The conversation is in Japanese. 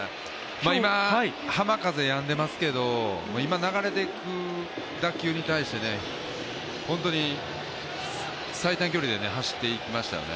今、浜風やんでますけれども流れていく打球に対して本当に最短距離で走っていきましたよね。